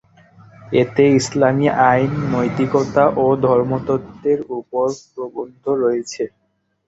এতে ইসলামি আইন, নৈতিকতা ও ধর্মতত্ত্বের উপর প্রবন্ধ রয়েছে।